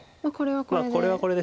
これはこれで。